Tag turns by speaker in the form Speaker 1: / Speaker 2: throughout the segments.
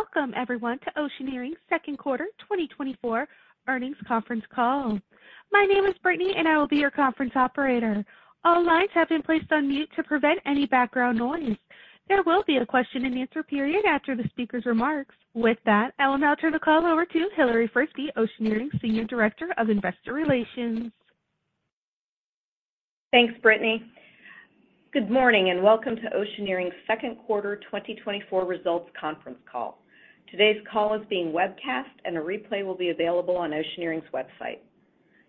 Speaker 1: Welcome, everyone, to Oceaneering Second Quarter 2024 Earnings Conference Call. My name is Brittany, and I will be your conference operator. All lines have been placed on mute to prevent any background noise. There will be a question-and-answer period after the speaker's remarks. With that, I will now turn the call over to Hilary Frisbie, Oceaneering Senior Director of Investor Relations.
Speaker 2: Thanks, Brittany. Good morning and welcome to Oceaneering Second Quarter 2024 Results Conference Call. Today's call is being webcast, and a replay will be available on Oceaneering's website.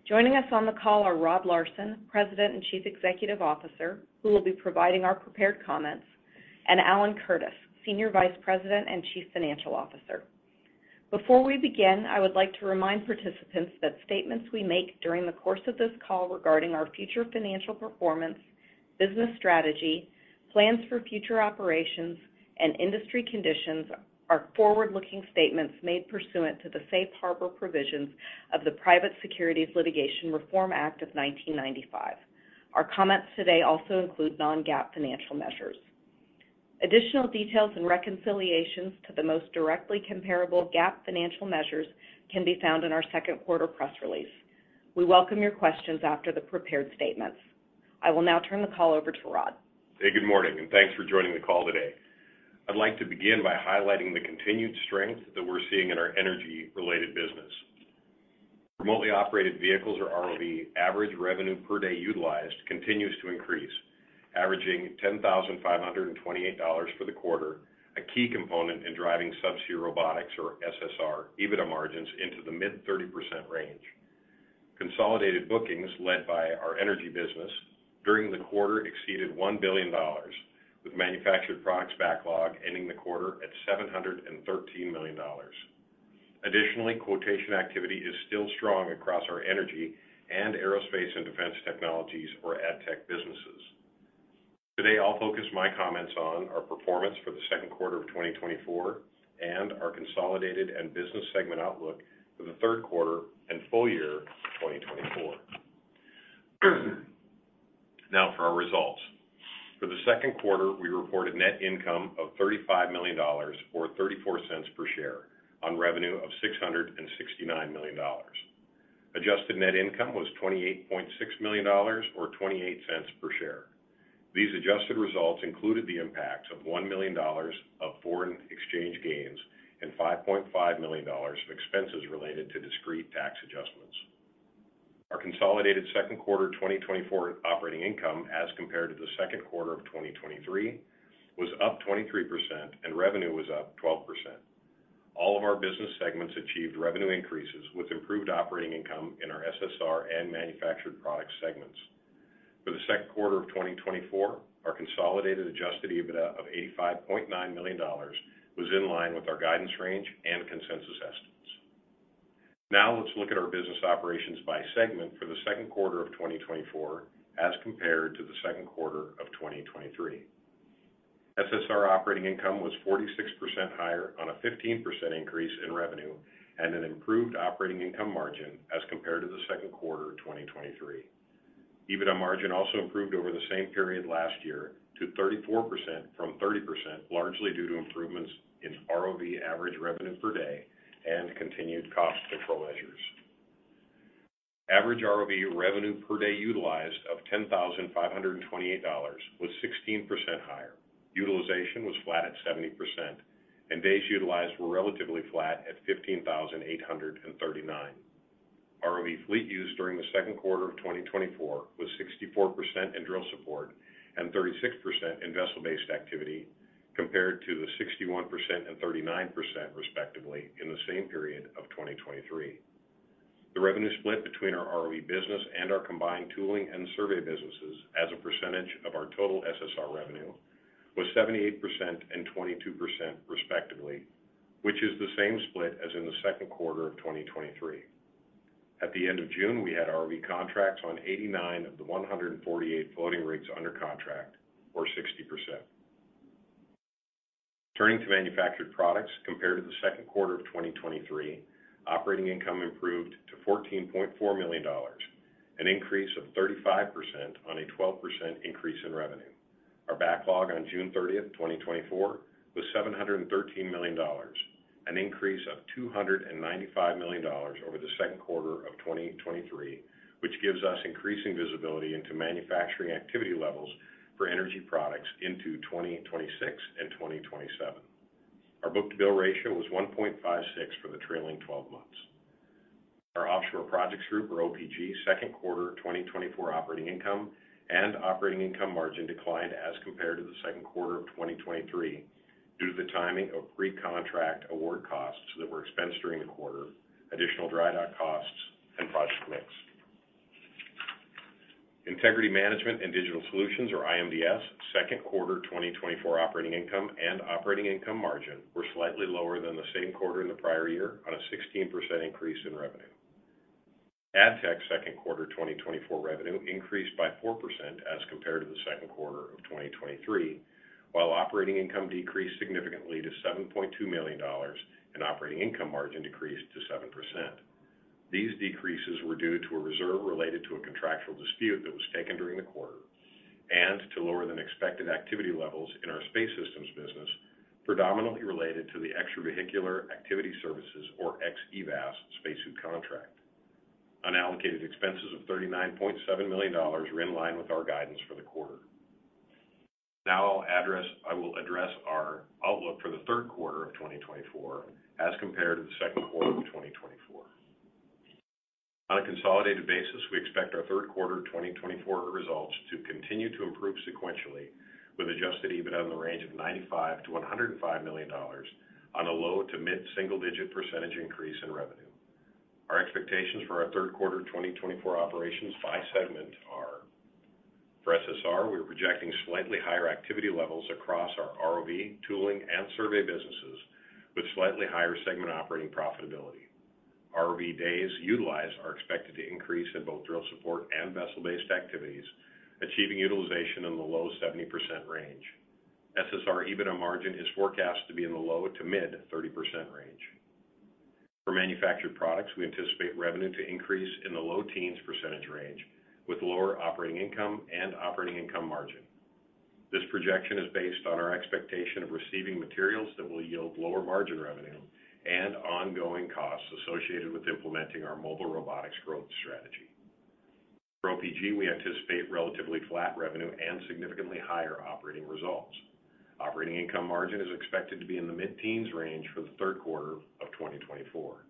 Speaker 2: Joining us on the call are Rod Larson, President and Chief Executive Officer, who will be providing our prepared comments, and Alan Curtis, Senior Vice President and Chief Financial Officer. Before we begin, I would like to remind participants that statements we make during the course of this call regarding our future financial performance, business strategy, plans for future operations, and industry conditions are forward-looking statements made pursuant to the safe harbor provisions of the Private Securities Litigation Reform Act of 1995. Our comments today also include non-GAAP financial measures. Additional details and reconciliations to the most directly comparable GAAP financial measures can be found in our second quarter press release. We welcome your questions after the prepared statements. I will now turn the call over to Rod.
Speaker 3: Hey, good morning, and thanks for joining the call today. I'd like to begin by highlighting the continued strength that we're seeing in our energy-related business. Remotely Operated Vehicles, or ROV, average revenue per day utilized continues to increase, averaging $10,528 for the quarter, a key component in driving Subsea Robotics, or SSR, EBITDA margins into the mid-30% range. Consolidated bookings led by our energy business during the quarter exceeded $1 billion, with Manufactured Products backlog ending the quarter at $713 million. Additionally, quotation activity is still strong across our energy and Aerospace and Defense Technologies, or ADTech, businesses. Today, I'll focus my comments on our performance for the second quarter of 2024 and our consolidated and business segment outlook for the third quarter and full year 2024. Now, for our results. For the second quarter, we reported net income of $35 million, or $0.34 per share, on revenue of $669 million. Adjusted net income was $28.6 million, or $0.28 per share. These adjusted results included the impact of $1 million of foreign exchange gains and $5.5 million of expenses related to discrete tax adjustments. Our consolidated second quarter 2024 operating income, as compared to the second quarter of 2023, was up 23%, and revenue was up 12%. All of our business segments achieved revenue increases with improved operating income in our SSR and Manufactured Products segments. For the second quarter of 2024, our consolidated adjusted EBITDA of $85.9 million was in line with our guidance range and consensus estimates. Now, let's look at our business operations by segment for the second quarter of 2024 as compared to the second quarter of 2023. SSR operating income was 46% higher on a 15% increase in revenue and an improved operating income margin as compared to the second quarter of 2023. EBITDA margin also improved over the same period last year to 34% from 30%, largely due to improvements in ROV average revenue per day and continued cost control measures. Average ROV revenue per day utilized of $10,528 was 16% higher. Utilization was flat at 70%, and days utilized were relatively flat at 15,839. ROV fleet use during the second quarter of 2024 was 64% in drill support and 36% in vessel-based activity, compared to the 61% and 39%, respectively, in the same period of 2023. The revenue split between our ROV business and our combined tooling and survey businesses as a percentage of our total SSR revenue was 78% and 22%, respectively, which is the same split as in the second quarter of 2023. At the end of June, we had ROV contracts on 89 of the 148 floating rigs under contract, or 60%. Turning to Manufactured Products, compared to the second quarter of 2023, operating income improved to $14.4 million, an increase of 35% on a 12% increase in revenue. Our backlog on June 30, 2024, was $713 million, an increase of $295 million over the second quarter of 2023, which gives us increasing visibility into manufacturing activity levels for energy products into 2026 and 2027. Our book-to-bill ratio was 1.56 for the trailing 12 months. Our Offshore Projects Group, or OPG, second quarter 2024 operating income and operating income margin declined as compared to the second quarter of 2023 due to the timing of pre-contract award costs that were expensed during the quarter, additional dry dock costs, and project mix. Integrity Management and Digital Solutions, or IMDS, second quarter 2024 operating income and operating income margin were slightly lower than the same quarter in the prior year on a 16% increase in revenue. ADTech second quarter 2024 revenue increased by 4% as compared to the second quarter of 2023, while operating income decreased significantly to $7.2 million and operating income margin decreased to 7%. These decreases were due to a reserve related to a contractual dispute that was taken during the quarter and to lower-than-expected activity levels in our space systems business, predominantly related to the Extravehicular Activity Services, or xEVAS, space suit contract. Unallocated expenses of $39.7 million were in line with our guidance for the quarter. Now, I will address our outlook for the third quarter of 2024 as compared to the second quarter of 2024. On a consolidated basis, we expect our third quarter 2024 results to continue to improve sequentially, with adjusted EBITDA in the range of $95-$105 million on a low- to mid-single-digit percentage increase in revenue. Our expectations for our third quarter 2024 operations by segment are: for SSR, we're projecting slightly higher activity levels across our ROV, tooling, and survey businesses, with slightly higher segment operating profitability. ROV days utilized are expected to increase in both drill support and vessel-based activities, achieving utilization in the low 70% range. SSR EBITDA margin is forecast to be in the low- to mid-30% range. For Manufactured Products, we anticipate revenue to increase in the low teens percentage range, with lower operating income and operating income margin. This projection is based on our expectation of receiving materials that will yield lower margin revenue and ongoing costs associated with implementing our mobile robotics growth strategy. For OPG, we anticipate relatively flat revenue and significantly higher operating results. Operating income margin is expected to be in the mid-teens range for the third quarter of 2024.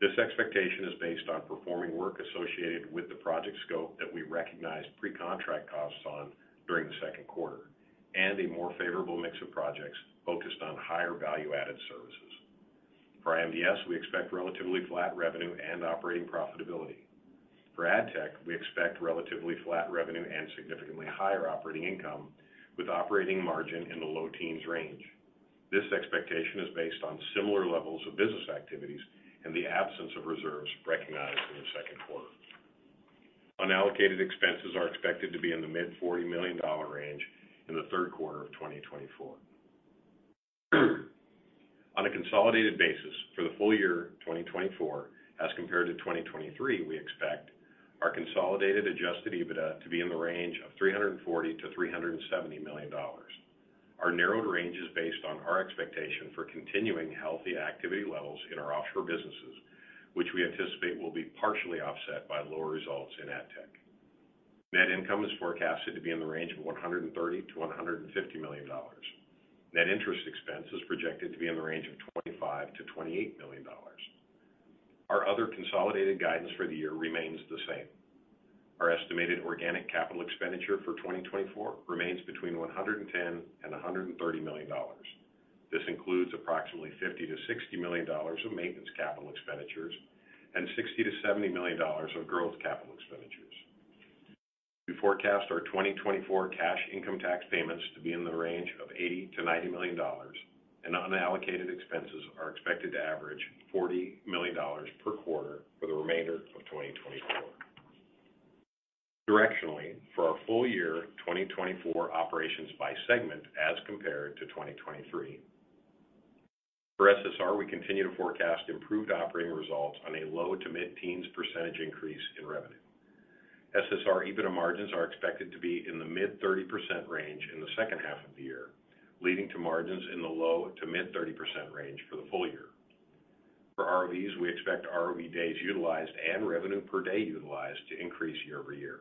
Speaker 3: This expectation is based on performing work associated with the project scope that we recognized pre-contract costs on during the second quarter and a more favorable mix of projects focused on higher value-added services. For IMDS, we expect relatively flat revenue and operating profitability. For ADTech, we expect relatively flat revenue and significantly higher operating income, with operating margin in the low teens range. This expectation is based on similar levels of business activities and the absence of reserves recognized in the second quarter. Unallocated expenses are expected to be in the mid-$40 million range in the third quarter of 2024. On a consolidated basis, for the full year 2024, as compared to 2023, we expect our consolidated adjusted EBITDA to be in the range of $340-$370 million. Our narrowed range is based on our expectation for continuing healthy activity levels in our offshore businesses, which we anticipate will be partially offset by lower results in ADTech. Net income is forecasted to be in the range of $130-$150 million. Net interest expense is projected to be in the range of $25-$28 million. Our other consolidated guidance for the year remains the same. Our estimated organic capital expenditure for 2024 remains between $110 and $130 million. This includes approximately $50-$60 million of maintenance capital expenditures and $60-$70 million of growth capital expenditures. We forecast our 2024 cash income tax payments to be in the range of $80-$90 million, and unallocated expenses are expected to average $40 million per quarter for the remainder of 2024. Directionally, for our full year 2024 operations by segment as compared to 2023, for SSR, we continue to forecast improved operating results on a low- to mid-teens % increase in revenue. SSR EBITDA margins are expected to be in the mid-30% range in the second half of the year, leading to margins in the low- to mid-30% range for the full year. For ROVs, we expect ROV days utilized and revenue per day utilized to increase year-over-year.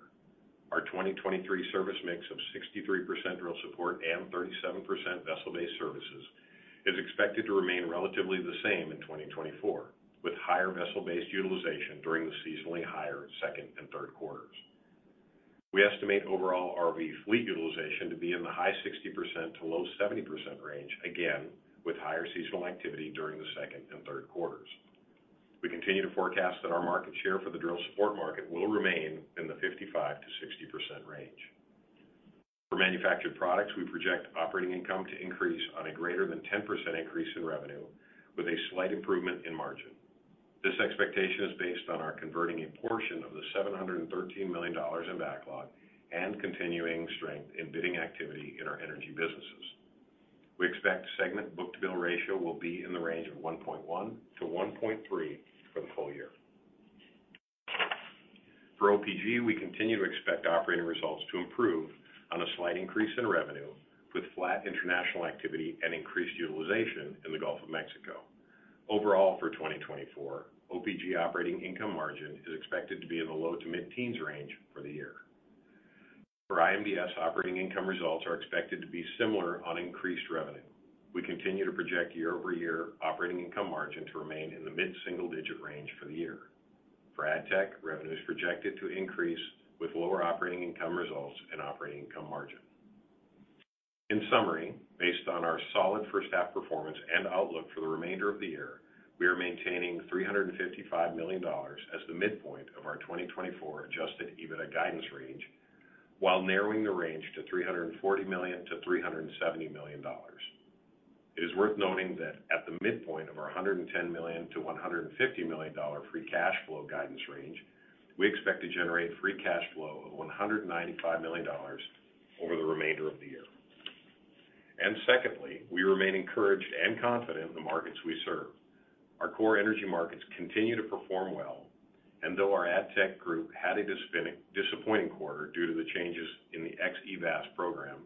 Speaker 3: Our 2023 service mix of 63% drill support and 37% vessel-based services is expected to remain relatively the same in 2024, with higher vessel-based utilization during the seasonally higher second and third quarters. We estimate overall ROV fleet utilization to be in the high 60%-low 70% range, again with higher seasonal activity during the second and third quarters. We continue to forecast that our market share for the drill support market will remain in the 55%-60% range. For Manufactured Products, we project operating income to increase on a greater than 10% increase in revenue, with a slight improvement in margin. This expectation is based on our converting a portion of the $713 million in backlog and continuing strength in bidding activity in our energy businesses. We expect segment book-to-bill ratio will be in the range of 1.1-1.3 for the full year. For OPG, we continue to expect operating results to improve on a slight increase in revenue, with flat international activity and increased utilization in the Gulf of Mexico. Overall, for 2024, OPG operating income margin is expected to be in the low to mid-teens range for the year. For IMDS, operating income results are expected to be similar on increased revenue. We continue to project year-over-year operating income margin to remain in the mid-single-digit range for the year. For ADTech, revenue is projected to increase with lower operating income results and operating income margin. In summary, based on our solid first half performance and outlook for the remainder of the year, we are maintaining $355 million as the midpoint of our 2024 adjusted EBITDA guidance range, while narrowing the range to $340 million-$370 million. It is worth noting that at the midpoint of our $110 million-$150 million free cash flow guidance range, we expect to generate free cash flow of $195 million over the remainder of the year. Secondly, we remain encouraged and confident in the markets we serve. Our core energy markets continue to perform well, and though our ADTech group had a disappointing quarter due to the changes in the xEVAS program,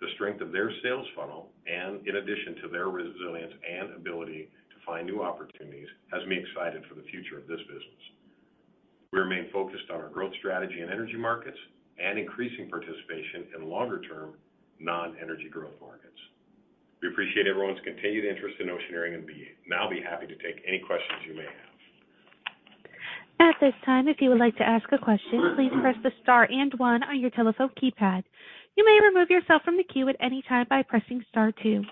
Speaker 3: the strength of their sales funnel, and in addition to their resilience and ability to find new opportunities, has me excited for the future of this business. We remain focused on our growth strategy in energy markets and increasing participation in longer-term non-energy growth markets. We appreciate everyone's continued interest in Oceaneering and now be happy to take any questions you may have.
Speaker 1: At this time, if you would like to ask a question, please press the star and 1 on your telephone keypad. You may remove yourself from the queue at any time by pressing star 2.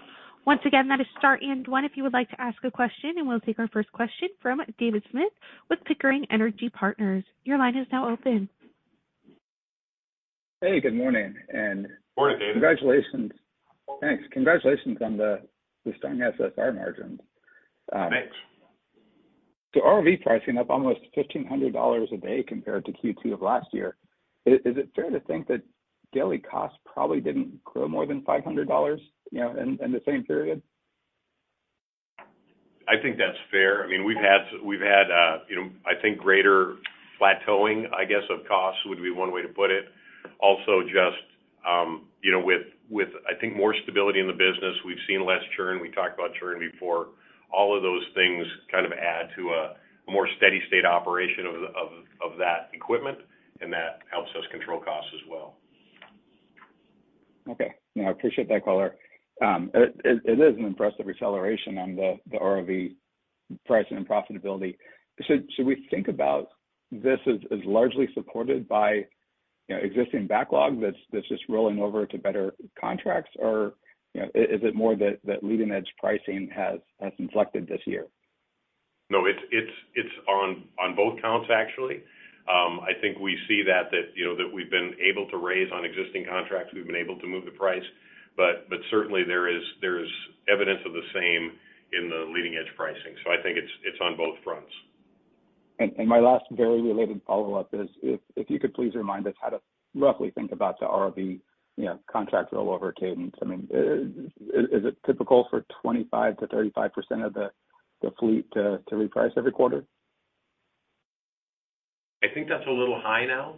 Speaker 1: Once again, that is star and 1 if you would like to ask a question, and we'll take our first question from David Smith with Pickering Energy Partners. Your line is now open.
Speaker 4: Hey, good morning.
Speaker 3: Morning, David.
Speaker 4: Congratulations.
Speaker 3: Thanks.
Speaker 4: Congratulations on the stunning SSR margins.
Speaker 3: Thanks.
Speaker 4: So ROV pricing up almost $1,500 a day compared to Q2 of last year. Is it fair to think that daily costs probably didn't grow more than $500 in the same period?
Speaker 3: I think that's fair. I mean, we've had, I think, greater plateauing, I guess, of costs would be one way to put it. Also, just with, I think, more stability in the business, we've seen less churn. We talked about churn before. All of those things kind of add to a more steady-state operation of that equipment, and that helps us control costs as well.
Speaker 4: Okay. I appreciate that color. It is an impressive acceleration on the ROV pricing and profitability. Should we think about this as largely supported by existing backlog that's just rolling over to better contracts, or is it more that leading-edge pricing has inflected this year?
Speaker 3: No, it's on both counts, actually. I think we see that we've been able to raise on existing contracts. We've been able to move the price, but certainly, there is evidence of the same in the leading-edge pricing. So I think it's on both fronts.
Speaker 4: And my last very related follow-up is, if you could please remind us how to roughly think about the ROV contract rollover cadence. I mean, is it typical for 25%-35% of the fleet to reprice every quarter?
Speaker 3: I think that's a little high now.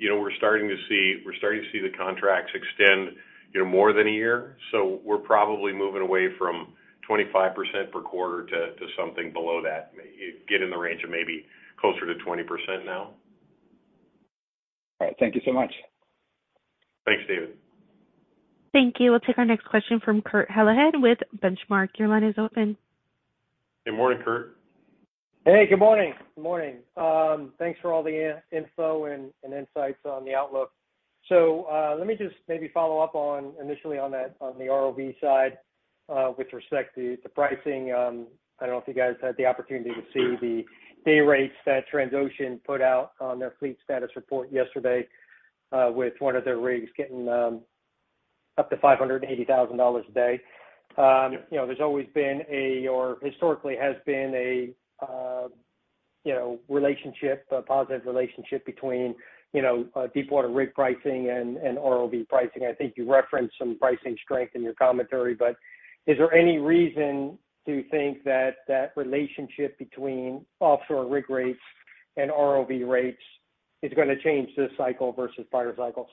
Speaker 3: We're starting to see the contracts extend more than a year. So we're probably moving away from 25% per quarter to something below that, getting in the range of maybe closer to 20% now.
Speaker 4: All right. Thank you so much.
Speaker 3: Thanks, David.
Speaker 1: Thank you. We'll take our next question from Kurt Hallead with Benchmark. Your line is open.
Speaker 3: Hey, morning, Kurt.
Speaker 5: Hey, good morning. Good morning. Thanks for all the info and insights on the outlook. So let me just maybe follow up initially on the ROV side with respect to pricing. I don't know if you guys had the opportunity to see the day rates that Transocean put out on their fleet status report yesterday, with one of their rigs getting up to $580,000 a day. There's always been, or historically has been, a relationship, a positive relationship between deep-water rig pricing and ROV pricing. I think you referenced some pricing strength in your commentary, but is there any reason to think that that relationship between offshore rig rates and ROV rates is going to change this cycle versus prior cycles?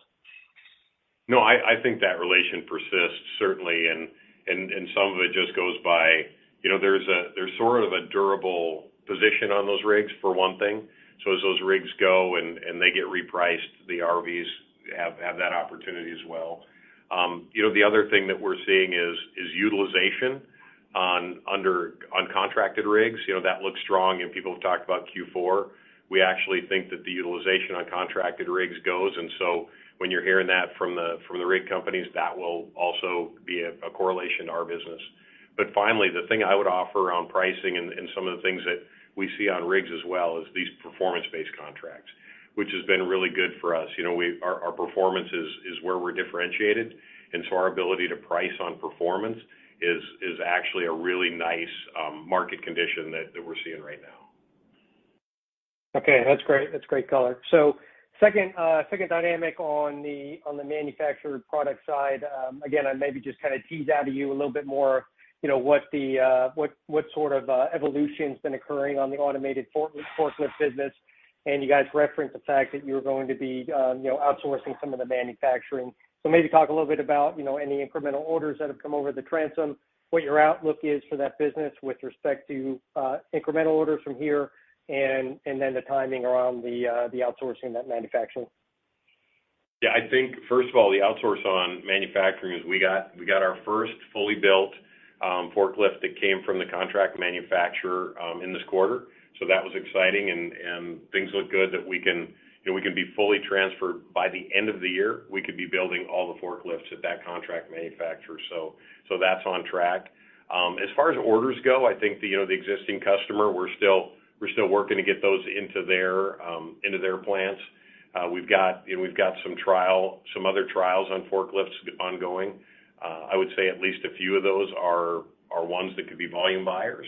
Speaker 3: No, I think that relation persists, certainly, and some of it just goes by. There's sort of a durable position on those rigs, for one thing. So as those rigs go and they get repriced, the ROVs have that opportunity as well. The other thing that we're seeing is utilization on contracted rigs. That looks strong, and people have talked about Q4. We actually think that the utilization on contracted rigs goes, and so when you're hearing that from the rig companies, that will also be a correlation to our business. But finally, the thing I would offer on pricing and some of the things that we see on rigs as well is these performance-based contracts, which has been really good for us. Our performance is where we're differentiated, and so our ability to price on performance is actually a really nice market condition that we're seeing right now.
Speaker 5: Okay. That's great. That's great color. So second dynamic on the Manufactured Product side, again, I maybe just kind of tease out of you a little bit more what sort of evolution has been occurring on the automated forklift business, and you guys referenced the fact that you were going to be outsourcing some of the manufacturing. So maybe talka little bit about any incremental orders that have come over the transom, what your outlook is for that business with respect to incremental orders from here, and then the timing around the outsourcing of that manufacturing?
Speaker 3: Yeah. I think, first of all, the outsource on manufacturing is we got our first fully built forklift that came from the contract manufacturer in this quarter. So that was exciting, and things look good that we can be fully transferred by the end of the year. We could be building all the forklifts at that contract manufacturer. So that's on track. As far as orders go, I think the existing customer, we're still working to get those into their plants. We've got some other trials on forklifts ongoing. I would say at least a few of those are ones that could be volume buyers.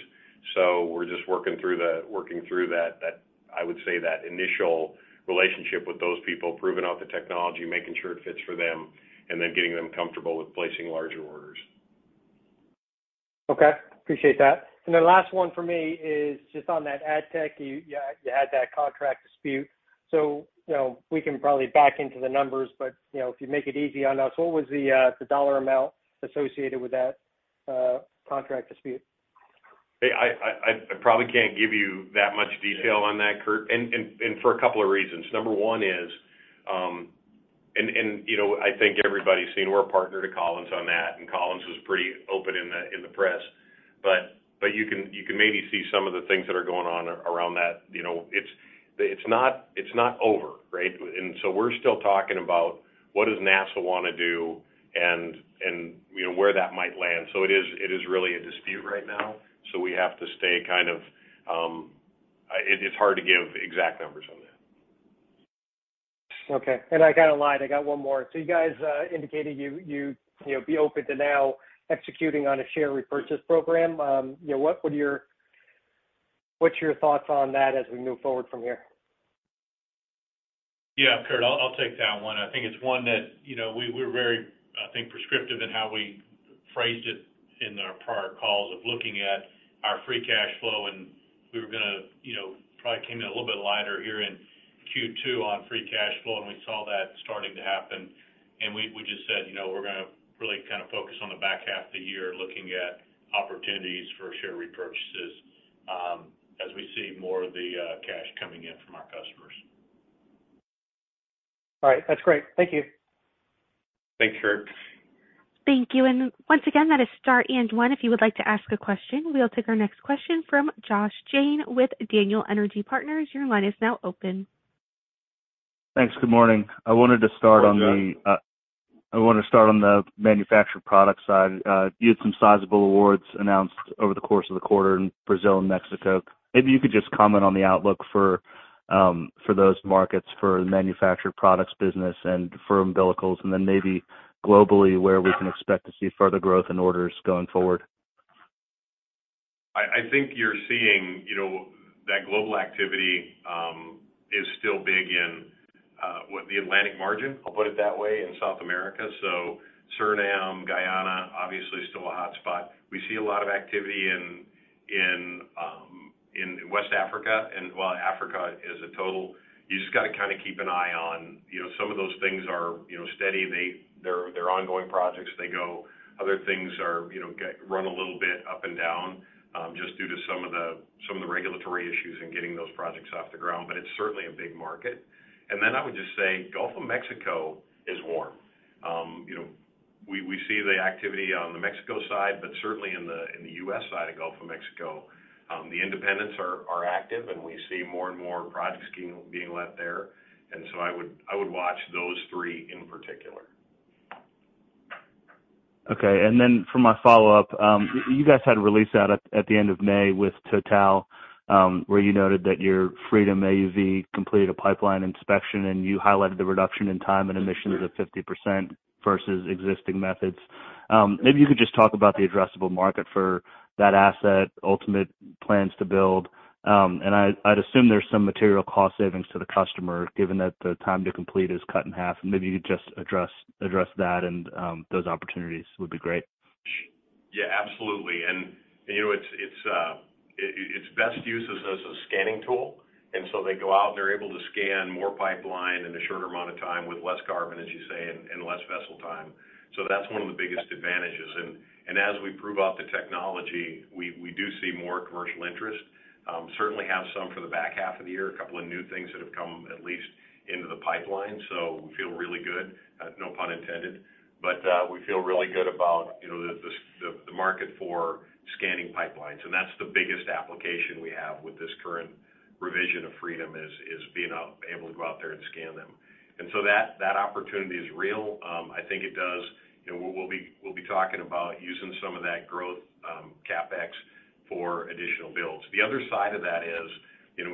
Speaker 3: So we're just working through that, I would say, that initial relationship with those people, proving out the technology, making sure it fits for them, and then getting them comfortable with placing larger orders.
Speaker 5: Okay. Appreciate that. And the last one for me is just on that ADTech. You had that contract dispute. So we can probably back into the numbers, but if you make it easy on us, what was the dollar amount associated with that contract dispute?
Speaker 3: I probably can't give you that much detail on that, Kurt, and for a couple of reasons. Number one is, and I think everybody's seen we're a partner to Collins on that, and Collins was pretty open in the press, but you can maybe see some of the things that are going on around that. It's not over, right? And so we're still talking about what does NASA want to do and where that might land. So it is really a dispute right now. So we have to stay kind of—it's hard to give exact numbers on that.
Speaker 5: Okay. And I kind of lied. I got one more. So you guys indicated you'd be open to now executing on a share repurchase program. What's your thoughts on that as we move forward from here?
Speaker 6: Yeah, Kurt, I'll take that one. I think it's one that we were very, I think, prescriptive in how we phrased it in our prior calls of looking at our free cash flow, and we were going to probably came in a little bit lighter here in Q2 on free cash flow, and we saw that starting to happen. We just said we're going to really kind of focus on the back half of the year, looking at opportunities for share repurchases as we see more of the cash coming in from our customers. All right. That's great. Thank you.
Speaker 7: Thanks, Kurt.
Speaker 1: Thank you. And once again, that is star 1. If you would like to ask a question, we'll take our next question from Josh Jayne with Daniel Energy Partners. Your line is now open.
Speaker 8: Thanks. Good morning. I wanted to start on the Manufactured Products side. You had some sizable awards announced over the course of the quarter in Brazil and Mexico. Maybe you could just comment on the outlook for those markets for the Manufactured Products business and for umbilicals, and then maybe globally where we can expect to see further growth in orders going forward.
Speaker 3: I think you're seeing that global activity is still big in the Atlantic margin, I'll put it that way, and South America. So Suriname, Guyana, obviously still a hotspot. We see a lot of activity in West Africa. And while Africa is a total you just got to kind of keep an eye on. Some of those things are steady. They're ongoing projects. They go. Other things run a little bit up and down just due to some of the regulatory issues and getting those projects off the ground. But it's certainly a big market. And then I would just say Gulf of Mexico is warm. We see the activity on the Mexico side, but certainly in the U.S. side of Gulf of Mexico, the independents are active, and we see more and more projects being let there. And so I would watch those three in particular.
Speaker 8: Okay. And then for my follow-up, you guys had a release out at the end of May with Total, where you noted that your Freedom AUV completed a pipeline inspection, and you highlighted the reduction in time and emissions of 50% versus existing methods. Maybe you could just talk about the addressable market for that asset, ultimate plans to build. And I'd assume there's some material cost savings to the customer, given that the time to complete is cut in half. And maybe you could just address that, and those opportunities would be great.
Speaker 3: Yeah, absolutely. And its best use is as a scanning tool. And so they go out, and they're able to scan more pipeline in a shorter amount of time with less carbon, as you say, and less vessel time. So that's one of the biggest advantages. And as we prove out the technology, we do see more commercial interest. Certainly have some for the back half of the year, a couple of new things that have come at least into the pipeline. So we feel really good, no pun intended. But we feel really good about the market for scanning pipelines. And that's the biggest application we have with this current revision of Freedom is being able to go out there and scan them. And so that opportunity is real. I think it does. We'll be talking about using some of that growth CapEx for additional builds. The other side of that is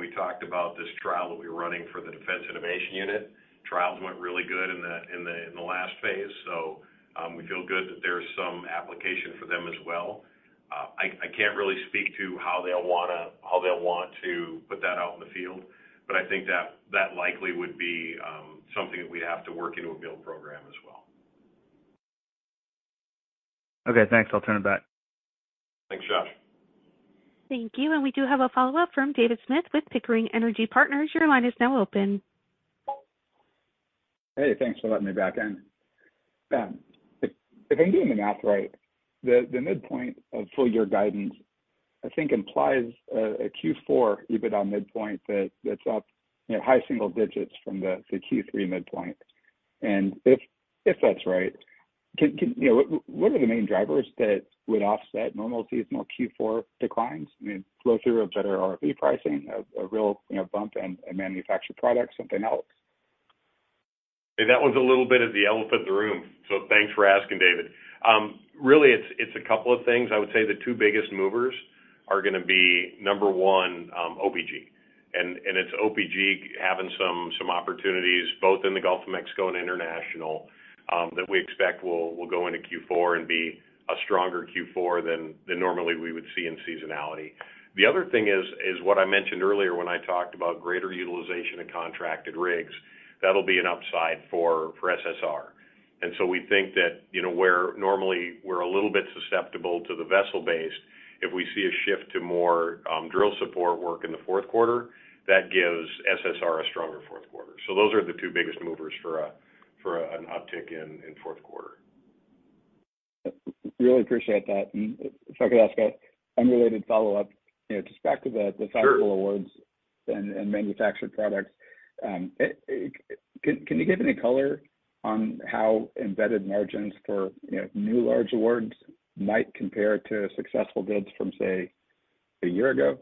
Speaker 3: we talked about this trial that we were running for the Defense Innovation Unit. Trials went really good in the last phase. So we feel good that there's some application for them as well. I can't really speak to how they'll want to put that out in the field, but I think that likely would be something that we'd have to work into a build program as well.
Speaker 8: Okay. Thanks. I'll turn it back.
Speaker 3: Thanks, Josh.
Speaker 1: Thank you. And we do have a follow-up from David Smith with Pickering Energy Partners. Your line is now open.
Speaker 4: Hey, thanks for letting me back in. If I'm doing the math right, the midpoint of full year guidance, I think, implies a Q4 EBITDA midpoint that's up high single digits from the Q3 midpoint. And if that's right, what are the main drivers that would offset normal seasonal Q4 declines? I mean, flow-through of better ROV pricing, a real bump in Manufactured Products, something else?
Speaker 3: That was a little bit of the elephant in the room. So thanks for asking, David. Really, it's a couple of things. I would say the two biggest movers are going to be, number one, OPG. It's OPG having some opportunities, both in the Gulf of Mexico and International, that we expect will go into Q4 and be a stronger Q4 than normally we would see in seasonality. The other thing is what I mentioned earlier when I talked about greater utilization of contracted rigs. That'll be an upside for SSR. So we think that where normally we're a little bit susceptible to the vessel-based, if we see a shift to more drill support work in the fourth quarter, that gives SSR a stronger fourth quarter.
Speaker 6: Those are the two biggest movers for an uptick in fourth quarter.
Speaker 4: Really appreciate that. And if I could ask an unrelated follow-up, just back to the sizable awards and Manufactured Products, can you give any color on how embedded margins for new large awards might compare to successful bids from, say, a year ago?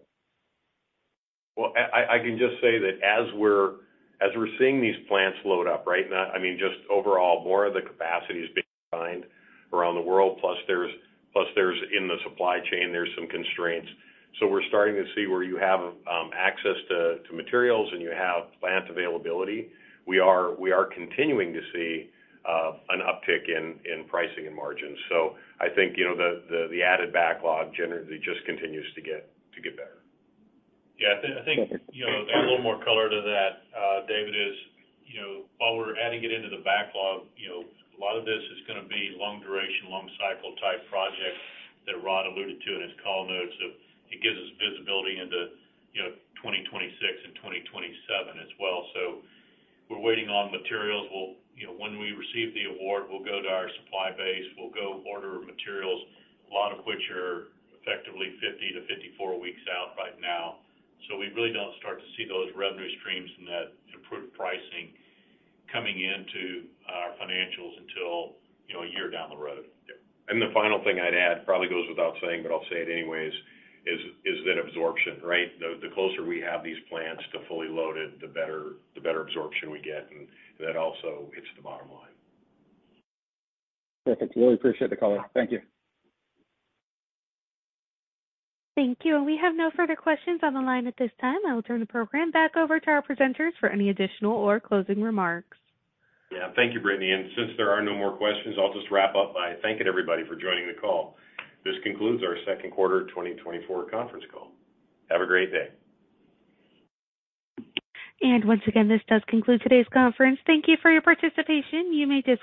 Speaker 3: Well, I can just say that as we're seeing these plants load up, right? I mean, just overall, more of the capacity is being defined around the world. Plus, in the supply chain, there's some constraints. So we're starting to see where you have access to materials and you have plant availability. We are continuing to see an uptick in pricing and margins. So I think the added backlog generally just continues to get better. Yeah.
Speaker 6: I think add a little more color to that, David, is while we're adding it into the backlog, a lot of this is going to be long-duration, long-cycle type projects that Rod alluded to in his call notes. It gives us visibility into 2026 and 2027 as well. So we're waiting on materials. When we receive the award, we'll go to our supply base. We'll go order materials, a lot of which are effectively 50-54 weeks out right now. So we really don't start to see those revenue streams and that improved pricing coming into our financials until a year down the road. And the final thing I'd add, probably goes without saying, but I'll say it anyways, is that absorption, right? The closer we have these plants to fully loaded, the better absorption we get, and that also hits the bottom line.
Speaker 4: Perfect. Really appreciate the call.
Speaker 1: Thank you. Thank you. We have no further questions on the line at this time. I'll turn the program back over to our presenters for any additional or closing remarks.
Speaker 3: Yeah. Thank you, Brittany. Since there are no more questions, I'll just wrap up by thanking everybody for joining the call. This concludes our second quarter 2024 conference call. Have a great day.
Speaker 1: Once again, this does conclude today's conference. Thank you for your participation. You may disconnect.